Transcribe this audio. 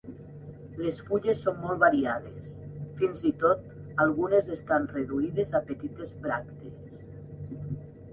Les fulles són molt variades, fins i tot algunes estan reduïdes a petites bràctees.